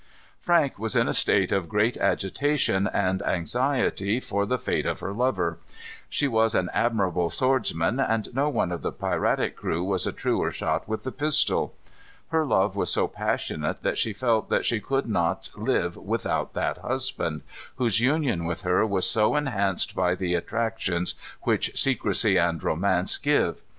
Frank was in a state of great agitation and anxiety for the fate of her lover. She was an admirable swordsman, and no one of the piratic crew was a truer shot with the pistol. Her love was so passionate that she felt that she could not live without that husband, whose union with her was so enhanced by the attractions which secrecy and romance give.